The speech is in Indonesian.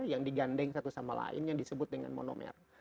yang digandeng satu sama lain yang disebut dengan monomer